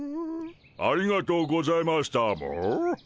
ありがとうございましたモ。